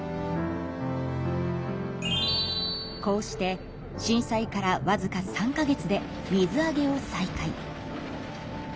こうして震災からわずか３か月で水揚げを再開。